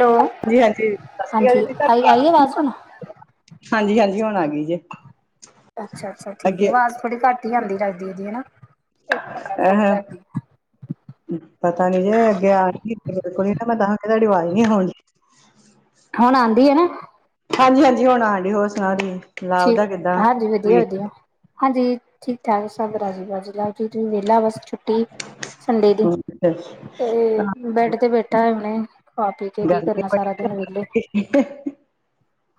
Hello. ਹਾਂਜੀ-ਹਾਂਜੀ ਸਸ ਸ੍ਰੀ ਕਾਲ ਹਾਂਜੀ ਆਈ ਆਈ ਦੀਦੀ, ਆਵਾਜ਼ ਹੁਣ। ਹਾਂਜੀ-ਹਾਂਜੀ ਹੁਣ ਆ ਗਈ ਜੇ। ਅੱਛਾ-ਅੱਛਾ, ਠੀਕ ਅੱਗੇ ਐ, ਵਾਜ਼ ਥੋੜੀ ਘੱਟ ਈ ਆਂਦੀ ਤਾਢੀ ਜੀ ਹੈਨਾ। ਏਕ ਮਿੰਟ ਮੈਂ ਫੋਨ ਅਹ ਕਰਦੀ ਆ। ਪਤਾ ਨੀ ਜੇ ਅੱਗੇ ਆਣ ਬਿਲਕੁਲ ਨਾ ਮੈਂ ਤਾਂਹ ਕਿਆ ਤੁਆਡੀ ਆਵਾਜ਼ ਨੀ ਹੋਨੀ। ਹੁਣ ਆਂਦੀ ਏ ਨਾ? ਹਾਂਜੀ-ਹਾਂਜੀ, ਹੁਣ ਆਣ ਡੀ। ਹੋਰ ਸੁਣਾਓ ਠੀਕ? ਠੀਕ, ਹਾਂਜੀ, ਵਦੀਆ-ਵਦੀਆ, ਹਾਂਜੀ ਠੀਕ ਠਾਕ ਸਬ ਰਾਜੀ ਬਾਜੀ ਲ ਕੁਛ ਨੀ, ਵੇਲਾ ਬਸ ਛੁੱਟੀ ਸੰਡੇ ਦੀ। ਤੇ ਬੈਡ ਤੇ ਬੈਠਾ ਹੁਣੇ ਖਾ ਪੀ ਕੇ ਕੀ ਗਰਮੀ ਕਰਨਾ ਬੜੀ ਸਾਰਾ ਨਾ ਦਿਨ ਵੇਲੇ।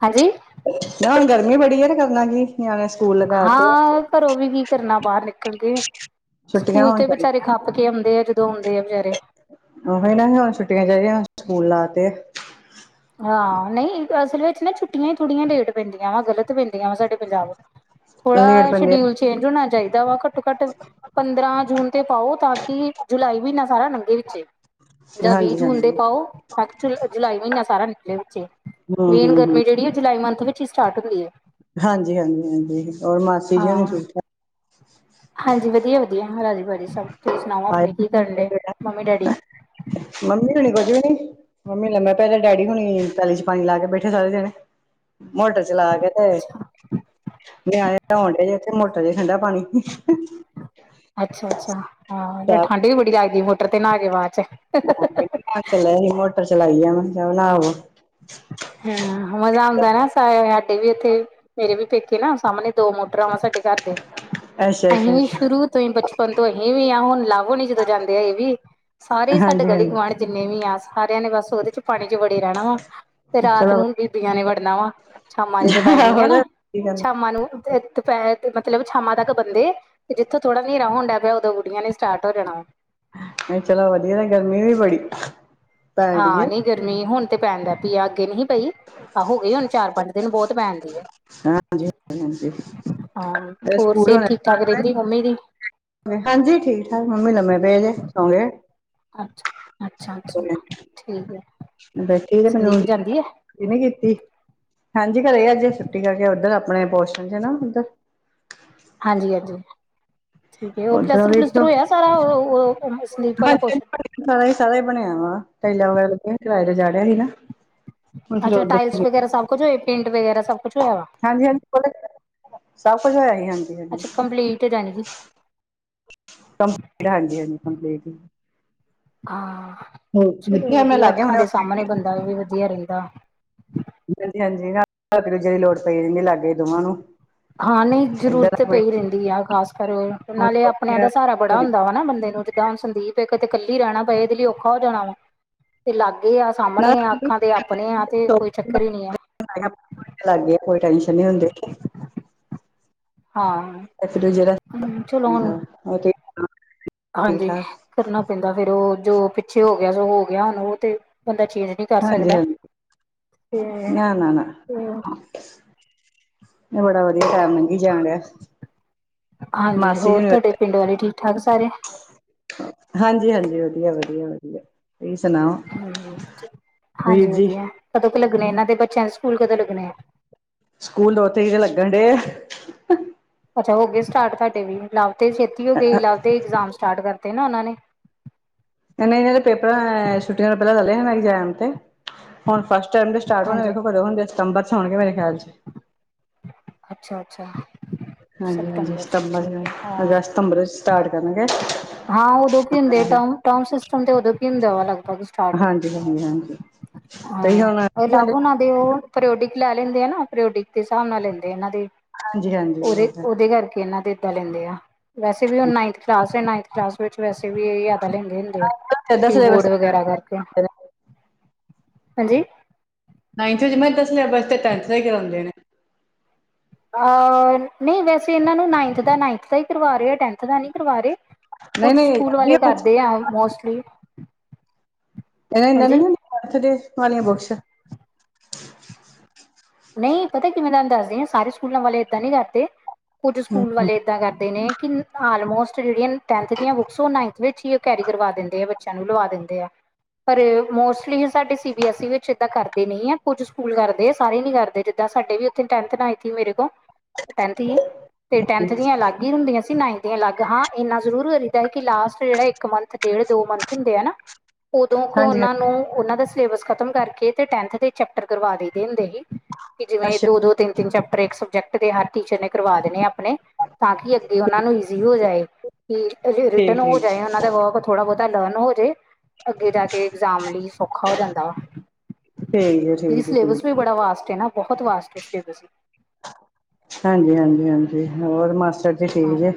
ਹਾਂਜੀ। [unintelligible] ਗਰਮੀ ਬੜੀ ਐ ਤੇ ਕਰਨਾ ਕੀ ਨਿਆਣਿਆਂ ਨੇ। ਹਾਂ, ਘਰੋਂ ਵੀ ਕੀ ਕਰਨਾ ਬਾਹਰ ਨਿਕਲ ਕੇ। ਛੁੱਟੀਆਂ ਸਕੂਲ ਹੋਣ ਤੇ ਵਿਚਾਰੇ ਚਾਹੀਦੀਆਂ ਖੱਪ ਕੇ ਆਓਂਦੇ ਆ ਜਦੋਂ ਆਉਂਦੇ ਆ ਵਿਚਾਰੇ। ਉਹੀ ਨਾ ਹੁਣ ਛੁੱਟੀਆਂ ਚਾਈਦੀਆਂ ਸਕੂਲ ਲਾ ਤੇ। ਹਾਂ, ਨਈ ਅਸਲ ਵਿੱਚ ਨਾ ਛੁੱਟੀਆਂ ਈ ਥੋੜ੍ਹੀਆਂ ਲੇਟ ਪੈਂਦੀਆਂ ਵਾ ਗ਼ਲਤ ਪੈਂਦੀਆਂ ਵਾ ਸਾਡੇ ਪੰਜਾਬ ਲੇਟ ਥੋੜਾ ਪੈਂਦੇ ਆ ਸ਼ਡਿਊਲ ਚੇਂਜ ਹੋਣਾ ਚਾਈਦਾ ਵਾ। ਘੱਟੋ ਘੱਟ ਪੰਦਰਾਂ ਜੂਨ ਤੇ ਪਾਓ ਤਾਂ ਕਿ ਜੁਲਾਈ ਮਹੀਨਾ ਸਾਰਾ ਲੰਗੇ ਵਿੱਚੇ। ਜਾਂ ਵੀਹ ਹਾਂਜੀ ਜੂਨ ਹਾਂਜੀ ਦੇ ਹੂੰ ਪਾਓ ਐਕਚਲ ਜੁਲਾਈ ਮੀੱਨਾ ਸਾਰਾ ਨਿਕਲੇ ਵਿੱਚੇ। ਹੂੰ ਮੇਨ ਹੂੰ ਗਰਮੀ ਜੇੜੀ ਐ ਜੁਲਾਈ ਮੰਥ ਵਿੱਚ ਈ ਸਟਾਰਟ ਹੋਈ ਐ। ਹਾਂਜੀ, ਹਾਂਜੀ, ਹਾਂਜੀ, ਹੋਰ ਮਾਸੀ ਜੀ ਹੁਣੇ ਹਾਂ ਠੀਕ ਠਾਕ। ਹਾਂਜੀ, ਵਦੀਆ-ਵਦੀਆ ਰਾਜੀ ਵਾਜੀ ਸਬ ਤੁਸੀਂ ਸੁਣਾਓ ਅਪਣੇ ਕੀ ਕਰਨ ਡੇ ਆ ਮੰਮੀ ਡੈਡੀ। ਮੰਮੀ ਹੋਣੀ ਕੁੱਝ ਵੀ ਨੀ। ਮੰਮੀ ਲੰਮੇ ਪਏ ਨੇ, ਡੈਡੀ ਹੁਣੀ ਪੈਲੀ ਚ ਪਾਣੀ ਲਾ ਕੇ ਬੈਠੇ ਸਾਰੇ ਜਾਣੇ। ਮੋਟਰ ਚਲਾ ਕੇ ਤੇ ਅੱਛਾ ਨਿਆਣੇ ਨੌਣ ਡੇ ਆ ਮੋਟਰ। ਹਜੇ ਠੰਡਾ ਪਾਣੀ ਅੱਛਾ-ਅੱਛਾ, ਹਾਂ, ਫੇਰ ਠੰਡ ਵੀ ਬੜੀ ਲਗਦੀ ਮੋਟਰ ਤੇ ਨਾਹ ਕੇ ਬਾਦ ਚ। ਹਾਂ ਕਹਿੰਦੇ ਨਾਹਣ ਚੱਲੇ ਸੀ ਮੋਟਰ ਚਲਾਈ ਆ ਮੈਂ ਕਿਆ ਨਾਵੋ। ਹੂੰ, ਮਜ਼ਾ ਆਉਂਦਾ ਨਾ ਸਾਡੇ ਵੀ ਇੱਥੇ ਮੇਰੇ ਵੀ ਪੇਕੇ ਨਾ ਸਾਮਣੇ ਦੋ ਮੋਟਰਾ ਵਾਂ ਸਾਡੇ ਘਰ ਦੇ ਅੱਛਾ ਅਸੀਂ ਅੱਛਾ ਵੀ ਅੱਛਾ ਸ਼ੁਰੂ ਤੋਂ ਈ ਬਚਪਨ ਤੋਂ ਅਸੀਂ ਵੀ ਹਾਂ ਹੁਣ ਲਾਵੋ ਨੀ ਜਦੋਂ ਜਾਂਦੇ ਆ ਇਹ ਵੀ। ਸਾਰੇ ਈ ਸਾਡੇ ਹਾਂਜੀ ਗਲੀ ਗੁਆਂਢ ਹਾਂਜੀ ਜਿੰਨੇ ਵੀ ਆ ਸਾਰਿਆਂ ਨੇ ਬਸ ਉੱਦੇ ਚ ਪਾਣੀ ਚ ਵੜੇ ਰੈਣਾ ਵਾ ਤੇ ਰਾਤ ਚਲੋ ਨੂੰ ਬੀਬੀਆਂ ਨੇ ਵੜਨਾ ਵਾ ਸ਼ਾਮਾਂ ਜਦੋਂ ਪੈ ਜਾਣਿਆਂ ਆਹੋ ਐਨਾ। ਤੇ ਕੀ ਕਰਨਾ ਸ਼ਾਮਾਂ ਨੂੰ ਦੁਪਹਿਰ ਤੇ ਮਤਲਬ ਸ਼ਾਮਾਂ ਤੱਕ ਬੰਦੇ, ਤੇ ਜਿੱਥੋਂ ਥੋੜਾ ਨੇਰਾ ਹੋਣਡਾ ਪਿਆ ਉਦੋਂ ਬੁੜੀਆਂ ਨੇ ਸਟਾਟ ਹੋ ਜਾਣਾਵਾ। ਨਈ ਚਲੋ ਵਦੀਆ ਗਰਮੀ ਵੀ ਬੜੀ ਏ। ਹਾਂ, ਨਈ ਗਰਮੀ ਹੁਣ ਤੇ ਪੈਣ ਲੱਗ ਪਈ ਆ ਅੱਗੇ ਨਈ ਪਈ। ਐ ਹੋ ਗਈ ਹੁਣ ਚਾਰ, ਪੰਜ ਦਿਨ ਬੌਤ ਪੈਣਦੀ ਏ। ਹਾਂਜੀ ਹਾਂਜੀ ਤੇ ਹਾਂ ਹੋਰ ਸਕੂਲ ਸਿਹਤ ਹੋਣੇ ਠੀਕ ਠਾਕ ਰਹਿੰਦੀ ਮੰਮੀ ਦੀ। ਹਾਂਜੀ ਠੀਕ ਠਾਕ ਮੰਮੀ ਲੰਮੇ ਪਏ ਜੇ ਸੌ ਗਏ। ਅੱਛਾ ਅੱਛਾ ਅੱਛਾ ਠੀਕ ਹੈ। [unintelligible] ਛੁੱਟੀ ਸੰਦੀਪ ਜਾਂਦੀ ਹੈ ਨਹੀਂ ਕੀਤੀ ਹਾਂਜੀ ਘਰੇ ਅੱਜ ਛੁੱਟੀ ਕਰਕੇ ਉੱਧਰ ਆਪਣੇ ਪੋਸ਼ਣ 'ਚ ਨਾ ਉੱਧਰ। ਹਾਂਜੀ ਹਾਂਜੀ ਠੀਕ ਹੈ ਉਹ ਉੱਧਰ ਪਲੱਸਤਰ ਵੀ ਪਲਸਤਰ ਇੱਥੋਂ ਹੋਇਆ ਸਾਰਾ ਉਹ ਸਲੀਪ ਵਾਲਾ ਹਾਂਜੀ ਪੋਸ਼ਣ। ਸਾਰਾ ਹੀ ਸਾਰਾ ਹੀ ਬਣਿਆ ਵਾ ਟਾਈਲ ਵਗੈਰਾ ਕਿਰਾਏ ਤੇ ਚਾੜਿਆ ਸੀ ਨਾ। ਹੁਣ ਫਿਰ ਅੱਛਾ ਉੱਧਰ ਟਾਈਲਸ ਵਗੈਰਾ ਸਭ ਕੁਛ ਹੋਏ ਪੇਂਟ ਵਗੈਰਾ ਸਭ ਕੁਛ ਹੋਇਆ ਵਾ। ਹਾਂਜੀ ਹਾਂਜੀ ਸਭ ਕੁਛ ਹੋਇਆ ਜੀ ਹਾਂਜੀ। ਹਾਂਜੀ ਅੱਛਾ ਕੰਪਲੀਟ ਤੇ ਜਾਉਂਗੀ। ਕੰਪਲੀਟ ਹਾਂਜੀ ਹਾਂਜੀ ਕੰਪਲੀਟ। ਹਾਂ ਚਲੋ ਮੈਂ ਵਧੀਆ ਲਾਗੇ ਅੱਖਾਂ ਹੁਣੇ ਦੇ ਸਾਹਮਣੇ ਬੰਦਾ ਵੀ ਵਧੀਆ ਰਹਿੰਦਾ। ਹਾਂਜੀ ਹਾਂਜੀ ਰਾਤ ਨੂੰ ਇੱਕ ਦੂਜੇ ਦੀ ਲੋੜ ਪੈ ਜਾਂਦੀ ਹੈ ਲਾਗੇ ਦੋਵਾਂ ਨੂੰ। ਹਾਂ ਨਹੀਂ ਏਦਾਂ ਜਰੂਰਤ ਦਾ ਕੋਈ ਪਈ ਰਹਿੰਦੀ ਆ ਖਾਸ ਕਰ ਨਾਲੇ ਆਪਣਿਆਂ ਦਾ ਸਹਾਰਾ ਬੜਾ ਹੁੰਦਾ ਵਾ ਨਾ ਬੰਦੇ ਨੂੰ। ਜਿਦਾਂ ਹੁਣ ਸੰਦੀਪ ਹੈ ਕਿਤੇ ਕੱਲੀ ਰਹਿਣਾ ਪਏ ਇਹਦੇ ਲਈ ਔਖਾ ਹੋ ਜਾਣਾ ਵਾ ਤੇ ਲਾਗੇ ਆ। ਸਾਹਮਣੇ ਆ ਅੱਖਾਂ ਤੇ ਆਪਣੇ ਆ ਤੇ ਕੋਈ ਚੱਕਰ ਹੀ ਨਹੀਂ ਹੈ। ਹੈਗਾ ਕੋਈ ਲਾਂਗੇ ਕੋਈ ਟੈਂਸ਼ਨ ਨੀ ਹੁੰਦੀ। ਹਾਂ। ਇੱਕ ਦੂਜੇ ਦਾ ਸਾਥ ਹਮ ਚਲੋ ਹੁਣ ਹੁੰਦਾ ਵਾ ਹਨਾ ਜੀ। ਹਾਂਜੀ ਕਰਨਾ ਪੈਂਦਾ ਫੇਰ ਉਹ ਜੋ ਪਿੱਛੇ ਹੋ ਗਿਆ ਜੋ ਹੋ ਗਿਆ ਹੁਣ ਉਹ ਤੇ ਬੰਦਾ ਚੇਂਜ ਨਹੀਂ। ਕਰ ਸਕਦਾ ਹਾਂਜੀ-ਹਾਂਜੀ, ਤੇ ਨਾ, ਨਾ, ਨਾ। ਇਹ ਬੜਾ ਵਦੀਆ ਟਾਈਮ ਲੰਗੀ ਜਾਣਿਆ। ਹਾਂਜੀ ਹੋਰ ਤੁਹਾਡੇ ਪਿੰਡ ਵਾਲੇ ਠੀਕ ਠਾਕ ਸਾਰੇ। ਹਾਂਜੀ-ਹਾਂਜੀ, ਵਦੀਆ, ਵਦੀਆ, ਵਦੀਆ। ਤੁਈ ਸੁਣਾਓ ਵੀਰ ਹਾਂਜੀ ਜੀ। ਵਧੀਆ ਕਦੋਂ ਕ ਲੱਗਣੇ ਇਹਨਾਂ ਦੇ ਬੱਚਿਆਂ ਦੇ ਸਕੂਲ ਕਦੋਂ ਲੱਗਣੇ ਆ। ਸਕੂਲ ਉੱਥੇ ਹੀ ਲੱਗਣ ਡੇ ਐ। ਅੱਛਾ ਹੋ ਗਏ ਸਟਾਰਟ ਤੁਆਡੇ ਵੀ, ਲਵ ਤੇ ਛੇਤੀ ਹੋ ਗਈ ਲਵ ਤੇ ਇਗਜ਼ਾਮ ਸਟਾਰਟ ਕਰਤੇ ਨਾ ਉਹਨਾਂ ਨੇ। ਨਈ-ਨਈ ਇਹਦੇ ਪੇਪਰਾਂ ਛੁਟੀਆਂ ਤੋਂ ਪਹਿਲਾਂ ਚੱਲਦੇ ਇਹਦਾ ਇਗਜ਼ਾਮ ਤੇ ਹੁਣ ਫਸਟ ਟਰਮ ਦੇ ਸਟਾਰਟ ਹੋਣੇ ਹਾਂਜੀ ਵੇਖੋ ਕਦੋਂ ਹੋਂਦੇ ਸਤੰਬਰ ਚ ਹੋਣਗੇ ਮੇਰੇ ਖਿਆਲ ਚ। ਅੱਛਾ-ਅੱਛਾ। ਹਾਂਜੀ-ਹਾਂਜੀ, ਸਤੰਬਰ ਹ ਹਾਂ ਅਗਸਤ ਸਤੰਬਰ ਚ ਸਟਾਰਟ ਕਰਨਗੇ। ਹਾਂ ਉਦੋਂ ਕੀ ਹੁੰਦੇ ਹਾਂਜੀ ਟਰਮ ਟਰਮ ਸਿਸਟਮ ਤੇ ਉਦੋਂ ਕੀ ਹੁੰਦੇ ਵਾ ਲਗਭਗ ਸਟਾਰਟ। ਹਾਂਜੀ, ਹਾਂਜੀ। ਤੁਸੀਂ ਹਾਂ ਹੁਣ ਇਹ ਲਵ ਉਹਨਾਂ ਹਾਂਜੀ ਦੇ ਉਹ ਪ੍ਰਿਓਡਿਕ ਲੈ ਲੈਂਦੇ ਆ ਨਾ ਪ੍ਰਿਓਡਿਕ ਦੇ ਹਿਸਾਬ ਨਾਲ ਲੈਂਦੇ ਆ ਇਹਨਾਂ ਦੇ ਹਾਂਜੀ ਉਹਦੇ, ਉਹ ਉਹਦੇ ਕਰਕੇ ਇਹਨਾਂ ਦੇ ਲੈ ਲੈਂਦੇ ਆ, ਵੈਸੇ ਵੀ ਓ ਨਾਈਨਥ ਕਲਾਸ ਏ, ਨਾਈਨਥ ਕਲਾਸ ਵਿੱਚ ਵੈਸੇ ਵੀ ਪਰ ਲੈਂਦੇ ਹੁੰਦੇ ਆ ਏਦਾਂ ਕੀ ਬੋਰਡ ਸਿਲੇਬਸ ਵਗੈਰਾ ਕਰਕੇ ਹਾਂਜੀ। ਨਾਈਨਥ ਚ ਮੈਂ ਤਾਂ ਸਿਲੇਬਸ ਤੇ ਟੈਂਥ ਦਾ ਹੀ ਕਰਾਉਂਦੇ ਨੇ। ਅ ਨਹੀਂ ਵੈਸੇ ਇਹਨਾਂ ਨੂੰ ਨਾਈਨਥ ਦਾ ਨਾਈਨਥ ਦਾ ਹੀ ਕਰਵਾ ਰਏ ਆ, ਟੈਨਥ ਦਾ ਨਈ ਕਰਵਾ ਰੇ। ਨਹੀਂ ਕੁਝ ਨਹੀਂ ਸਕੂਲ ਵਧੀਆ ਵਾਲੇ ਬੁੱਕਸ ਕਰਦੇ ਆ ਮੋਸਟਲੀ ਇਹ ਇਹਨਾਂ ਨੇ ਹਾਂਜੀ ਵਾਲਿਆਂ ਬੁਕਸ ਨਈ ਪਤਾ ਕਿਵੇਂ ਤੁਆਨੂੰ ਦੱਸਦੀ ਆ ਸਾਰੇ ਸਕੂਲਾਂ ਵਾਲੇ ਏਦਾਂ ਨੀ ਕਰਦੇ, ਕੁੱਝ ਹੂੰ ਸਕੂਲ ਹੂੰ ਵਾਲੇ ਏਦਾ ਕਰਦੇ ਨੇ ਕਿ ਆਲਮੋਸਟ ਜਿਹੜੀਆਂ ਟੈਨਥ ਦੀਆਂ ਬੁੱਕਸ ਉਹ ਨਾਈਨਥ ਵਿੱਚ ਹੀ ਉਹ ਕੈਰੀ ਕਰਵਾ ਦਿੰਦੇ ਆ ਬ ਬੱਚਿਆਂ ਨੂੰ ਲਵਾ ਦਿੰਦੇ ਆ ਪਰ ਮੋਸਟਲੀ ਹੀ ਸਾਡੇ ਸੀ ਬੀ ਐਸ ਈ ਵਿੱਚ ਦਾਂ ਕਰਦੇ ਨਈ ਐ ਕੁੱਝ ਸਕੂਲ ਕਰਦੇ ਆ ਸਾਰੇ ਨੀ ਕਰਦੇ ਜਿੱਦਾਂ ਸਾਡੇ ਵੀ ਉੱਥੇ ਟੈਨਥ ਨਾਈਥ ਈ ਮੇਰੇ ਕੋਲ। ਤੇ ਟੈਂਥ ਹੀ, ਤੇ ਟੈਂਥ ਦੀਆਂ ਅਲਗ ਦੀ ਹੁੰਦੀਆਂ ਸੀ ਨਾਈਨਥ ਦੀਆ ਅਲੱਗ। ਹਾਂ, ਇੰਨਾ ਜ਼ਰੂਰ ਲਗਦੈ ਕਿ ਲਾਸਟ ਜੇੜਾ ਇੱਕ ਮੰਥ, ਡੇਢ-ਦੋ ਮੰਥ ਹੁੰਦੇ ਆ ਨਾ ਔਦੋਂ ਕੋ ਹਾਂਜੀ ਔਨਾਂ ਹਾਂਜੀ ਨੂੰ ਔਨਾਂ ਦੇ ਸਿਲੇਬਸ ਖਤਮ ਕਰਕੇ ਤੇ ਟੈਂਥ ਦੇ ਚੈਪਟਰ ਕਰਵਾ ਦੇਈ ਦੇ ਹੁੰਦੇ ਸੀ। ਕਿ ਜਿਵੇਂ ਅੱਛਾ। ਦੋ-ਦੋ, ਤਿੰਨ-ਤਿੰਨ ਚੈਪਟਰ ਇੱਕ ਸਬਜੈਕਟ ਦੇ ਹਰ ਟੀਚਰ ਨੇ ਕਰਵਾ ਦੇਣੇ ਆ। ਅਪਣੇ ਤਾਂ ਕਿ ਅੱਗੇ ਔਨਾਂ ਨੂੰ ਈਜ਼ੀ ਹੋ ਜਾਏ ਕਿ ਰਿ ਰਿਟਨ ਠੀਕ ਹੋ ਠੀਕ ਜਾਏ ਜੀ। ਔਨਾਂ ਦੇ ਵਰਕ ਥੋੜਾ ਬੋਤਾ ਲਰਨ ਹੋ ਜੇ ਅੱਗੇ ਜਾ ਕੇ ਇਗਜ਼ਾਮ ਲਈ ਸੌਖਾ ਹੋ ਜਾਂਦਾ ਵਾ, ਠੀਕ ਜੀ ਕਿ ਠੀਕ ਜੀ ਠੀਕ ਸਿਲੇਬਸ ਵੀ ਬੜਾ ਵਾਸਟ ਨਾ ਬਹੁਤ ਵਾਸਟ ਏ ਸਿਲੇਬਸ ਵੀ। ਹਾਂਜੀ, ਹਾਂਜੀ, ਹਾਂਜੀ। ਹੋਰ ਮਾਸੜ ਜੀ ਠੀਕ ਹਾਂ ਜੇ?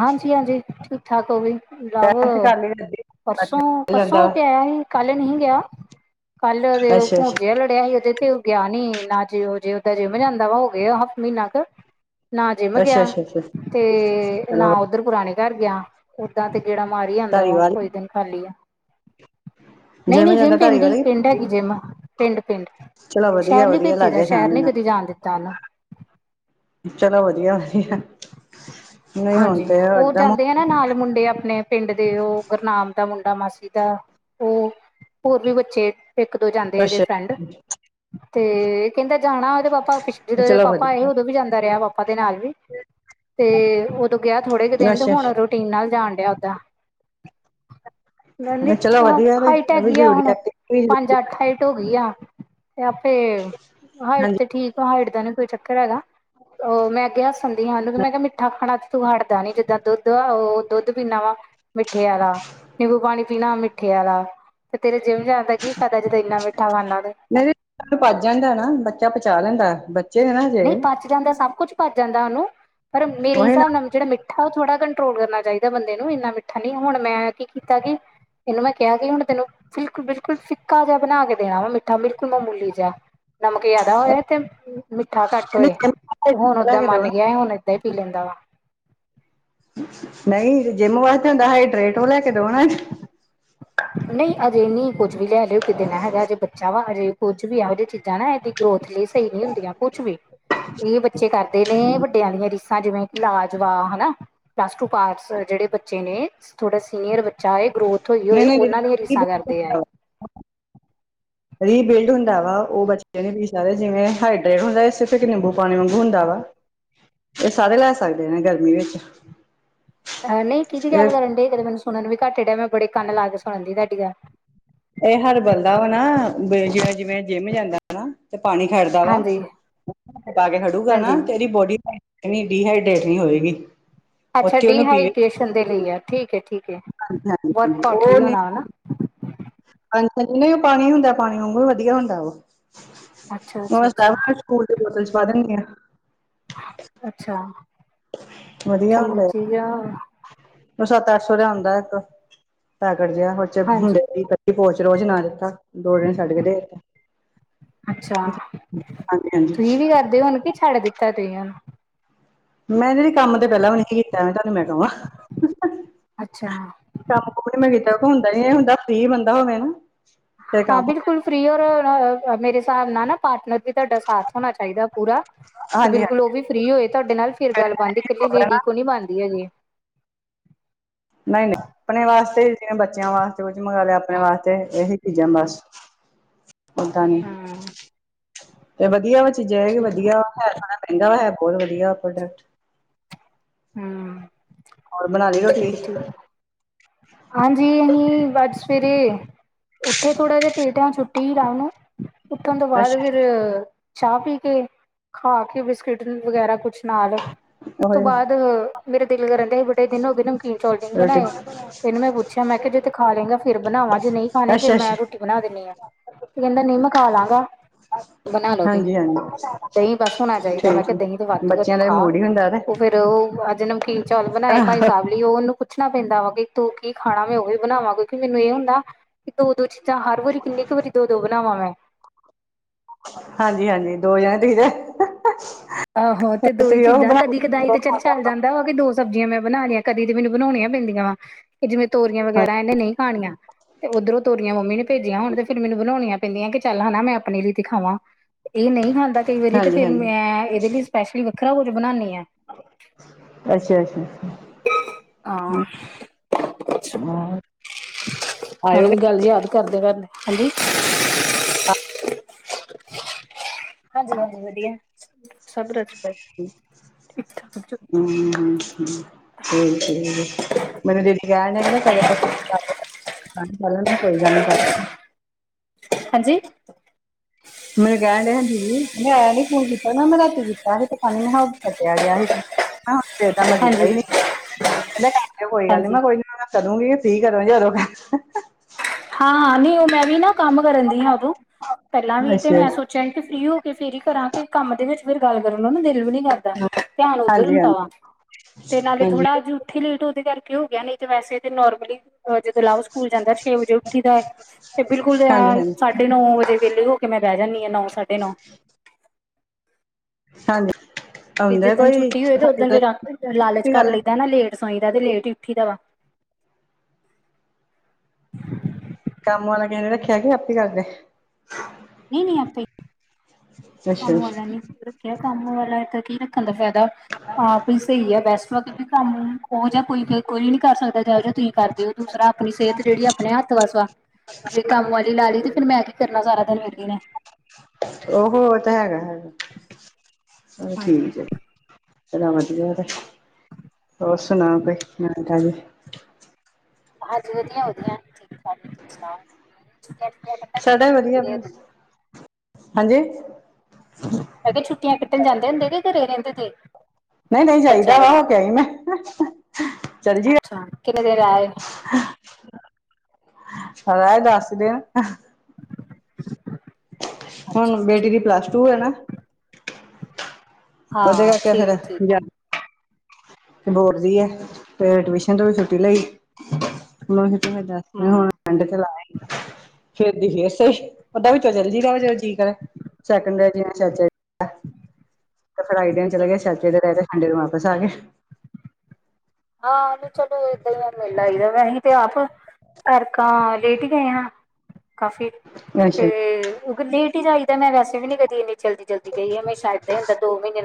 ਹਾਂਜੀ-ਹਾਂਜੀ, ਠੀਕ ਠਾਕ ਹੋ ਗਈ। ਲਾਵੋ ਟੈਂਥ ਕਰ ਲਈ ਅੱਧੀ ਪਰਸੋਂ, ਪਰਸੋਂ ਜਾਂਦਾ ਹੋ ਕੇ ਵਾ ਆਇਆ ਹੀ। ਕੱਲ ਨੀ ਹੀ ਗਿਆ ਕੱਲ ਦੇ ਅੱਛਾ ਅੱਛਾ ਭੂੰਡਜਿਆ ਸੜਿਆ [unintelligible] ਤੇ ਇੱਥੇ ਔ ਗਿਆ ਨੀ, ਨਾ ਜੇ ਔ ਜੇ ਔਦਾਂ ਜਿਮ ਜਾਂਦਾ ਵਾ ਹੋ ਗਿਆ ਹਫ਼ ਮਹੀਨਾ ਕ ਨਾ ਜਿਮ ਅੱਛਾ ਗਿਆ ਅੱਛਾ ਅੱਛਾ ਤੇ ਚਲੋ ਨਾ ਉੱਧਰ ਪੁਰਾਣੇ ਘਰ ਗਿਆ। ਔਦਾਂ ਤੇ ਗੇੜਾ ਮਾਰੀ ਈ ਆਂਦਾ ਵਾ ਧਾਰੀਵਾਲ ਕੋਈ ਦਿਨ ਖਾਲੀ ਆ। ਨਈ-ਨਈ ਜਿਵੇਂ ਜਿਮ ਜਾਂਦਾ ਪਿੰਡ ਈ ਧਾਰੀਵਾਲ ਪਿੰਡ ਹੈਗੀ ਜਿਮ। ਪਿੰਡ, ਪਿੰਡ ਚਲੋ ਸ਼ੈਰ ਵਧੀਆ ਨੀ ਵਧੀਆ ਭੇਜੀ ਦਾ, ਲਾਗੇ ਛਾਂ ਸ਼ੈਰ ਦੇ ਨੀ ਕਦੀ ਨਾਲ ਜਾਣ ਦਿੱਤਾ ਔਨੂੰ। ਚਲੋ ਵਧੀਆ [unintelligible] ਨਹੀਂ ਹੁਣ ਹਾਂਜੀ, ਤੇ ਔ ਏਦਾਂ ਜਾਂਦੇ ਐ ਨਾ ਨਾਲ ਮੁੰਡੇ ਆਪਣੇ ਪਿੰਡ ਦੇ, ਔ ਗੁਰਨਾਮ ਦਾ ਮੁੰਡਾ, ਮਾਸੀ ਦਾ। ਔ ਹੋਰ ਵੀ ਬੱਚੇ ਇੱਕ-ਦੋ ਜਾਂਦੇ ਇਦੇ ਫਰੈਂਡ ਅੱਛਾ ਤੇ ਕੈਂਦਾ ਜਾਣਾ। ਔਦੇ ਪਾਪਾ ਪਿਛ ਤੇ ਜਦੋਂ ਏ ਚਲੋ ਪਾਪਾ ਆਏ ਵਧੀਆ ਉਦੋਂ ਵੀ ਜਾਂਦਾ ਰਿਆ ਪਾਪਾ ਦੇ ਨਾਲ ਵੀ ਤੇ ਔਦੋਂ ਗਿਆ ਥੋੜੇ ਕ ਦਿਨ ਤੇ ਅੱਛਾ ਹੁਣ ਅੱਛਾ ਰੋਟੀਨ ਨਾਲ ਜਾਣ ਡਿਆ ਔਦਾ। ਹੁਣ ਏੰਦੀ ਚਲੋ ਅ ਵਧੀਆ ਤੇ ਹਾਈਟ ਇਹ ਵੀ ਹੈਗੀ ਆ ਜ਼ਰੂਰੀ ਹੁਣ ਐਕਟੀਵਿਟੀ ਵੀ ਪੰਜ ਜ਼ਰੂਰੀ ਅੱਠ ਹਾਈ ਟ ਹੋ ਗਈ ਆ ਤੇ ਆਪੇ ਹਾਈਟ ਹਾਂਜੀ ਤੇ ਠੀਕ ਆ ਹਾਈਟ ਦਾ ਨੀ ਕੋਈ ਚੱਕਰ ਹੈਗਾ। ਅ ਮੈਂ ਗਿਆ ਸਣ ਤੇ ਹੰਡ ਫੇਰ ਮੈਂ ਕਿਆ ਮਿੱਠਾ ਖਾਣਾ ਤੂੰ ਹਟਦਾ ਨੀ ਜਿੱਦਾਂ ਦੁੱਧ ਵਾ ਔ ਦੁੱਧ ਪੀਣਾ ਵਾ ਮਿੱਠੇ ਆਲਾ, ਨਿੰਬੂ ਪਾਣੀ ਪੀਣਾ ਮਿੱਠੇ ਆਲਾ ਤੇ ਤੇਰੇ ਜਿਮ ਜਾਣ ਦਾ ਕੀ ਫਾਇਦਾ ਜੇ ਤੁ ਇੰਨਾ ਮਿੱਠਾ ਖਾਨਾ ਤੇ [unintelligible] ਪਚ ਜਾਂਦੈ ਨਾ ਬੱਚਾ ਪਚਾ ਲੈਂਦੈ। ਨਹੀਂ ਪਚ ਜਾਂਦੈ ਸਭ ਕੁਛ ਪਚ ਜਾਂਦਾ ਔਨੂੰ ਪਰ ਮੇਰੇ ਉਹੀ ਨਾ ਹਿਸਾਬ ਨਾਲ ਜੇੜਾ ਮਿੱ ਠਾ ਔ ਥੋੜਾ ਕੰਟਰੋਲ ਕਰਨਾ ਚਾਈਦੈ ਬੰਦੇ ਨੂੰ। ਇੰਨਾ ਮਿੱਠਾ ਨੀ, ਹੁਣ ਮੈਂ ਕੀ ਕੀਤਾ ਕਿ ਏਨੂੰ ਮੈਂ ਕਿਆ ਕਿ ਹੁਣ ਤੈਨੂੰ ਬਿਲਕੁਲ, ਬਿਲਕੁਲ ਫਿੱਕਾ ਜਿਹਾ ਬਣਾ ਕੇ ਦੇਣਾ ਵਾ ਮਿੱਠਾ ਬਿਲਕੁਲ ਮਾਮੂਲੀ ਜਿਆ। ਨਮਕ ਜਿਆਦਾ ਹੋਏ ਤੇ ਮਿ ਮਿੱਠਾ ਘੱਟ ਹੋਏ ਹੁਣ ਲੈ ਔਦਾਂ ਕੇ ਦੋ ਮੰਨ ਨਾ ਗਿਐ। ਐ ਹੁਣ ਏਦਾਂ ਈ ਪੀ ਲੈਂਦਾ ਵਾ। ਨਈ ਜੋ ਜਿਮ ਵਾਸਤੇ ਹੁੰਦੈ [unintelligible] ਟਰੇ-ਟਰੂ ਲੈ ਕੇ ਦਵੋ ਨਾ ਏਨੂੰ ਨਈ ਅਜੇ ਨੀ ਕੁੱਝ ਵੀ ਲੈ ਦਿਓ ਕੇ ਦੇਨਾ ਹੈਗੈ, ਹਜੇ ਬੱਚਾ ਵਾ ਅਜੇ ਕੁੱਝ ਵੀ ਐਹੋ ਜਿ ਚੀਜ਼ਾਂ ਨਾ ਐਦੀ ਗਰੋਥ ਲਈ ਸਈ ਨਈ ਹੁੰਦੀਆਂ ਕੁਛ ਵੀ ਇਯੋ ਬੱਚੇ ਕਰਦੇ ਨੇ ਵੱਡਿਆਂ ਦੀਆਂ ਰੀਸਾਂ ਜਿਵੇਂ ਕਿ ਲਾ ਜਵਾ ਹੈ ਨਾ। ਪਲੱਸ ਟੂ ਪਾਸ ਜੇੜੇ ਬੱਚੇ ਨੇ ਥੋੜ੍ਹਾ ਸੀਨੀਅਰ ਬੱਚਾ ਏ, ਗਰੋਥ ਹੋਜੇ, ਹੋਏ ਨਹੀਂ ਔਨਾਂ ਦੀਆ ਦੀਦੀ ਰੀਸਾਂ ਕਰਦੇ ਐ ਏ। ਰੀਬਿਲਡ ਹੁੰਦਾ ਵਾ, ਔ ਬੱਚੇ ਨਹੀਂ ਪੀ ਸਕਦੇ ਜਿਵੇਂ ਹਾਈਡਰੇਟ ਹੁੰਦੈ, ਸਿਰਫ ਇੱਕ ਨਿੰਬੂ ਪਾਣੀ ਵਾਂਗੂ ਹੁੰਦਾ ਵਾ। ਐ ਸਾਰੇ ਲੈ ਸਕਦੇ ਨੇ ਗਰਮੀ ਵਿੱਚ। ਐ ਨਈ ਕਿਦੀ ਇਹ ਗੱਲ ਕਰਨ ਡੇ ਕਦੇ ਮੈਨੂੰ ਸੁਣਨ ਨੂੰ ਵੀ ਘੱਟ ਡਿਆ। ਮੈਂ ਬੜੇ ਕੰਨ ਲਾ ਕੇ ਸੁਣਨ ਦੀ ਤਾਡੀ ਗੱਲ। ਏ ਹਰ ਬੰਦਾ ਔ ਨਾ ਬੇ ਜਿਵੇਂ-ਜਿਵੇਂ ਜਿਮ ਜਾਂਦਾ ਹੈ ਨਾ ਤੇ ਪਾਣੀ ਖੜਦਾ ਵਾ, ਹਾਂਜੀ [inaudible] ਪਾ ਕੇ ਖੜੂਗਾ ਨਾ ਹਾਂਜੀ ਤੇਰੀ ਬੋਡੀ ਏਨੀ ਡੀਹਾਈਡਰੇੇਟ ਨੀ ਹੋਏਗੀ। ਅੱਛਾ ਉੱਥੇ ਉਹਨੂੰ ਡੀਹਾਈਡੇਸ਼ਨ ਦੇ ਲਈ ਆ ਠੀਕ ਏ, ਠੀਕ ਹੈ ਹਾਂਜੀ-ਹਾਂਜੀ ਵਰਕਆਊਟ ਔ ਲਈ ਨੀ ਹੋਣਾ ਹਨਾ ਹਾਂਜੀ-ਹਾਂਜੀ ਨਈ ਔ ਪਾਣੀ ਹੁੰਦੈ, ਪਾਣੀ ਵਾਂਗੂ ਵਧੀਆ ਹੁੰਦੈ ਵਾ। ਅੱਛਾ [unintelligible] ਅੱਛਾ ਅੱਛਾ ਕੁਛ ਸਕੂਲ ਬੋਟਲ 'ਚ ਪਾ ਦੇਂਨੀ ਆ। ਅੱਛਾ ਵਧੀਆ ਠੀਕ ਹੈ ਹੁੰਦਾ ਠੀਕ ਆ ਉਹ ਸੱਤ ਅੱਠ ਸੌ ਦਾ ਆਉਂਦਾ ਇੱਕ ਪੈਕਟ ਜਿਹਾ ਹ ਹਾਂਜੀ [unintelligible] ਅੱਛਾ ਹਾਂਜੀ-ਹਾਂਜੀ ਤੁਸੀਂ ਵੀ ਕਰਦੇ ਹੋਨ ਕਿ ਛੱਡ ਦਿੱ [unintelligible] ਮੈਂ ਜਿਹੜੀ ਕੰਮ ਤੇ ਪਹਿਲਾਂ ਵੀ ਨਹੀਂ ਸੀ ਕੀਤਾ ਤੁਹਾਨੂੰ ਮੈਂ ਕਵਾਂ [inaudible] ਅੱਛਾ ਕੰਮ ਕੂਂਮ ਨੀ ਮੈਂ ਕੀਤਾ ਹੁੰਦਾ ਨੀ ਏ ਹੁੰਦਾ ਫਰੀ ਬੰਦਾ ਹੋਵੇ ਨਾ। ਫਿਰ ਹਾਂ ਕੰਮ ਬਿਲਕੁਲ ਫ੍ਰੀ ਔਰ ਰ ਮੇਰੇ ਹਿਸਾਬ ਨਾਲ ਨਾ ਪਾਰਟਨਰ ਵੀ ਤੁਹਾਡਾ ਸਾਥ ਹੋਣਾ ਚਾਹੀਦਾ ਪੂਰਾ ਕਿ ਹਾਂਜੀ ਬਿਲਕੁਲ ਉਹ ਹਾਂਜੀ ਵੀ ਫਰੀ ਹੋਏ ਤੁਹਾਡੇ ਨਾਲ ਫਿਰ ਗੱਲ ਬਣਦੀ ਇਕੱਲੀ ਲੇਡੀ ਕੋ ਨੀ ਬਣਦੀ ਹੈਗੀ। ਨਹੀਂ-ਨਹੀਂ ਆਪਣੇ ਵਾਸਤੇ ਜਿ ਬੱਚਿਆਂ ਵਾਸਤੇ ਕੁਝ ਮੰਗਵਾ ਲਿਆ ਆਪਣੇ ਵਾਸਤੇ ਇਹੀ ਚੀਜ਼ਾਂ ਬਸ [inaudible] ਓਦਾਂ ਨੀ ਹੂੰ ਤੇ ਵਧੀਆ ਵ ਚੀਜ਼ਾਂ ਹੈ ਠੀਕ ਵਧੀਆ ਵਾ। ਹੈ ਥੋੜਾ ਮਹਿੰਗਾ ਵਾ ਹੈ ਬਹੁਤ ਵਧੀਆ ਪ੍ਰੋਡਕਟ ਹੂੰ ਹੋਰ ਬਣਾ ਲਈ ਰੋਟੀ ਠੀਕ ਹੈ ਠੀਕ ਹਾਂਜੀ ਅਹੀ ਬਸ ਸਵੇਰੇ ਉੱਥੇ ਥੋੜ੍ਹਾ ਜੇ ਲੇਟ ਹਾ ਛੁੱਟੀ ਹੀ ਰਾਮ ਨਾਲ ਉਠਨ ਤੋਂ ਬਾਅਦ ਫਿਰ ਅੱਛਾ ਚਾਹ ਪੀ ਕੇ ਖਾ ਕੇ ਬਿਸਕਿਟ ਵਗੈਰਾ ਕੁਛ ਨਾਲ ਉਸ ਤੋਂ ਓਏ ਬਾਅਦ ਮੇਰਾ ਦਿਲ ਕਰਨ ਡੇਯਾਂ ਸੀ ਬੜੇ ਦਿਨ ਹੋ ਗਏ ਨਮਕੀਨ ਚੌਲ ਜੇ ਨੀ ਰੋਟੀ ਬਣਾਏ। ਮ ਪੁੱਛਿਆ ਮੈਂ ਕਿਹਾ ਜੇ ਤੇ ਖਾ ਲੇਗਾ ਫਿਰ ਬਨਾਵਾ ਜੇ ਨਹੀ ਖਾਨੀ ਅੱਛਾ ਮੈਂ ਅੱਛਾ ਰੋਟੀ ਬਣਾ ਦਿੰਦੀ ਆਂ। ਤੇ ਕਹਿੰਦਾ ਨਹੀ ਮੈ ਖਾ ਲਾਂਗਾ। ਬਨਾ ਲੋ ਹਾਂਜੀ ਦਹੀ- ਹਾਂਜੀ ਦਹੀ ਬਸ ਹੋਣਾ ਚਾਹੀਦਾ ਮੈਂ ਠੀਕ ਕਿਹਾ ਦਹੀ ਤੋਂ ਵਾਧੂ ਵ ਬੱਚਿਆਂ ਤੂੰ ਦਾ ਖਾ ਮੂਡ ਹੀ ਹੁੰਦਾ ਤੇ ਫੇਰ ਉਹ ਅੱਜ ਨਮਕੀਨ ਚੌਲ ਬਨਾਏ ਭਾਈ ਸਾਹਿਬ ਲਈ ਉਹ ਉਹਨੂੰ ਪੁੱਛਣਾ ਪੈਂਦਾ ਵਾ ਕਿ ਤੋ ਕੀ ਖਾਣਾ ਮੈਂ ਉਹ ਵੀ ਬਨਾਵਾਂ ਕਿਉਂਕਿ ਮੈਨੂੰ ਇਹ ਹੁੰਦਾ ਕਿ ਦੋ- ਦੋ ਚੀਜ਼ਾਂ ਹਰ ਵਾਰੀ ਕਿੰਨੀ ਕੁ ਵਾਰੀ ਦੋ ਦੋ ਬਨਾਵਾਂ ਮੈਂ ਹਾਂਜੀ- ਹਾਂਜੀ ਦੋ ਜਾਣੇ ਤੀ ਜ [inaudible] ਆਹੋ ਤੇ ਦੋ ਹੀ ਚੀਜ਼ਾਂ ਕਦੀ ਕਦਾਈ ਤੇ ਚੱਲ- ਚੱਲ ਜਾਂਦਾ ਵ ਦੋ ਸਬਜ਼ੀਆਂ ਮੈਂ ਬਣਾ ਲਈਆਂ ਕਦੀ ਤੇ ਮੈਨੂੰ ਬਣਾਉਣੀਆਂ ਪੈਂਦੀਆਂ ਵਾ ਕਿ ਜਿਵੇਂ ਤੋਰੀਆਂ ਵਗੈਰਾ ਇਹਨੇ ਨਹੀਂ ਖਾਣੀਆਂ ਤੇ ਉੱਧਰੋਂ ਤੋਰੀਆਂ ਮੰਮੀ ਨੇ ਭੇਜੀਆਂ ਹੋਣ ਤੇ ਫਿਰ ਮੈਨੂੰ ਬਣਾਉਣੀਆਂ ਪੈਂਦੀਆਂ ਕਿ ਚੱਲ ਹਨਾ ਮੈਂ ਆਪਣੇ ਲਈ ਤੇ ਖਾਵਾਂ ਇਹ ਨਹੀ ਖਾਂਦਾ ਕਈ ਵਾਰੀ ਤੇ ਹਾਂਜੀ ਫੇਰ ਹਾਂਜੀ ਮੈਂ ਇਹਦੇ ਲਈ ਸਪੈਸ਼ਲ ਵੱਖਰਾ ਕੁਝ ਬਨਾਨੀ ਆਂ। ਅੱਛਾ -ਅੱਛਾ [inaudible] ਆਂ। ਹਾਂ। ਹੁਨ ਵੀ ਆਇਓਗੇ ਗੱਲ ਯਾਦ ਕਰਦੇ ਕਰ ਹਾਂਜੀ [inaudible] ਹਾਂਜੀ- ਹਾਂਜੀ ਵਧੀਆ ਹੂੰ ਹੂੰ ਹੂੰ [unintelligible] ਠੀਕ [unintelligible] [unintelligible] ਹਾਂਜੀ ਮੈਨੂੰ ਕਹਿਣ ਡਹ ਜੀ ਮੈ ਨੀ ਫੋਨ ਕੀਤਾ ਨਾ ਮੈਂ ਰਾਤੀ ਕੀਤਾ ਤੀ ਮੈਂ ਕਿਹਾ ਕੱਟਿਆ ਗਿਆ ਸੀ ਤਾਂ ਮੈਂ ਕੀਤਾ ਹਾਂਜੀ ਸੀ ਕਹਿੰਦੇ ਕਰ ਕੋਈ ਗੱਲ ਨੀ ਹਾਂਜੀ ਮੈਂ ਕੋਈ ਨੀ ਮੈਂ [unintelligible] ਹਾਂ ਨਹੀ ਉਹ ਮੈਂ ਵੀ ਨਾ ਕੰਮ ਕਰਨ ਦੀ ਆ ਉਦੋਂ ਪਹਿਲਾਂ ਵੀ ਤੇ ਅੱਛਾ ਮੈਂ ਸੋਚਿਆ ਕਿ ਉਹ ਫੇਰ ਹੀ ਕਰਾਂ ਕਿ ਕੰਮ ਦੇ ਵਿੱਚ ਫੇਰ ਗੱਲ ਕਰਨ ਨੂੰ ਨਾ ਦਿਲ ਵੀ ਨੀ ਕਰ ਧਿਆਨ ਉੱਧਰ ਹਾਂਜੀ ਹੁੰਦਾ ਹਾਂਜੀ ਵਾ ਤੇ ਨਾਲੇ ਹਾਂਜੀ ਥੋੜਾ ਜੂ ਉੱਥੇ ਲੇਟ ਉਹਦੇ ਕਰਕੇ ਹੋ ਗਿਆ ਨਹੀਂ ਤੇ ਵੈਸੇ ਤਾਂ ਨੋਰਮਲੀ ਜਦੋਂ ਲਵ ਸਕੂਲ ਜਾਂਦਾ ਛੇ ਵਜੇ ਉੱਠੀ ਤੇ ਬਿਲਕੁਲ ਹਾਂਜੀ ਹਾਂਜੀ ਸਾਢੇ ਨੌ ਵਜੇ ਵਿਹਲੇ ਹੋ ਕੇ ਮੈਂ ਬਹਿ ਜਾਂਦੀ ਹਾਂ ਨੌ ਸਾਢੇ ਨੌ ਹਾਂਜੀ ਤੇ ਜਿਸ ਆਉਂਦਾ ਦਿਨ ਕੋਈ ਛੁੱਟੀ ਹੋਏ ਤੇ ਓਦਨ ਫਿਰ ਲਾਲਚ ਕਰ ਗੱਲ ਲਈ ਦਾ ਨਾ ਲੇਟ ਸੋਈ ਦਾ ਤੇ ਲੇਟ ਹੀ ਉੱਠੀ ਦਾ ਵਾ। ਕੰਮ ਵਾਲਾ ਕਹਦੇ ਰੱਖਿਆ ਕੀ ਆਪੇ ਕਰਦੇ ਨਹੀਂ ਨੀ ਆਪੇ ਕੰਮ ਅੱਛਾ ਵਾਲਾ ਨੀ ਰਖਆ ਕੰਮ ਵਾਲਾ ਦਾ ਫਾਇਦਾ ਆਪ ਸਹੀ ਹੈ, ਬੈਸਟ ਵ ਕਿ ਕੰਮ ਉਹ ਜਾਂ ਕੋਈ- ਕੋਈ ਨੀ ਕਰ ਸਕਦਾ ਜਾ ਜ ਤੁਸੀਂ ਕਰਦੇਓ ਦੂਸਰਾ ਆਪਣੀ ਸਿਹਤ ਜਿਹੜੀ ਆਪਣੇ ਹੱਥ ਵਾਸ ਵ, ਜੇ ਕੰਮ ਵਾਲੀ ਲਾ ਲਈ ਤੇ ਫੇਿਰ ਮੈਂ ਕੀ ਕਰਨਾ ਸਾਰਾ ਦਿਨ ਵੇਲੀ ਨੇ ਉਹ ਤੇ ਹੈਗਾ- ਹੈਗਾ ਹਾਂਜੀ ਠੀਕ ਹੈ ਚ ਵਧੀਆ ਤੇ ਹੋਰ ਸੁਣਾ ਕੋਈ ਨਵੀ ਤਾਜੀ ਹਾਂਜੀ ਵਧੀਆ- ਵਧੀਆ ਠੀਕ- ਠਾਕ ਜੀ ਤੁਸੀਂ ਸੁਣਾਓ ਛੁੱਟੀਆਂ ਕੱਟਣਗੇ ਸਾਡਾ ਹੀ ਵਧੀਆ ਘਰੇ ਰਹਿੰਦੇ? ਬਸ, ਹਾਂਜੀ ਮ ਕਿਹਾ ਛੁੱਟੀਆਂ ਕੱਟਣ ਜਾਂਦੇ ਹੁੰਦੇ ਕਿ ਘਰੇ ਰਹਿੰਦੇ ਤੇ ਨਹੀਂ- ਨਹੀਂ ਬੱਚਿਆਂ ਜਾਹੀਦਾ ਦੇ ਵਾ ਹੋ ਨਾਲ ਕੇ ਆਈ ਮੇਂ ਚੱਲ ਜੀ ਅੱਛਾ ਕਿੰਨੇ ਦੇਰ ਆਏ ਲਾ ਆਏ ਦਸ ਦਿਨ ਅੱਛਾ ਹੁਣ ਅੱਛਾ ਬੇਟੀ ਦੀ ਪਲੱਸ ਟੂ ਹੈ ਨਾ ਉਹਦੇ ਹਾਂ ਕਰਕੇ ਠੀਕ ਫੇਿਰ ਠੀਕ ਤੇ ਬੋਰਦੀ ਹੈ, ਤੇ ਟਿਊਸ਼ਨ ਤੋਂ ਵੀ ਛੁੱਟੀ ਲਈ ਉਹਨਾਂ ਨੂੰ ਦ ਹੁਣ ਹਮ ਠਂਡ ਤੇ ਲਾ ਫੇਿਰ ਦੀ ਫੇਰ ਸਹੀ ਤੇ ਫਿਰਈ ਦਿਨ ਚਲੇ ਗ ਸਚੇ ਦੇ ਰਹਿਠੰਡੇ ਨੂੰ ਵਾਪਸ ਆ ਗਏ [unintelligible] [inaudible] ਹਾਂ ਉਹਨੂੰ ਚਲੋ ਏਦਾਂ ਹੀ ਮਿਲ ਆਈ ਦਾ ਵੈਂਸੀ ਤੇ ਆਪ ਘਰ ਕਾ ਲੇਟ ਗਏ ਹਾਂ ਕਾਫੀ ਅੱਛਾ ਤੇ, ਉਹ ਲੇਟ ਹੀ ਜਾਈਦਾ ਮੈਂ ਵੈਸੇ ਵੀ ਨੀ ਕਦੀ ਇੰਨੀ ਜਲਦੀ, ਜਲਦੀ ਗਈ ਹਮੇਸ਼ਾ ਇਦਾ ਈ ਤਾਂ ਦੋ ਮਹੀਨੇ ਨਾਲ